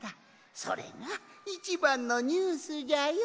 それがいちばんのニュースじゃよ！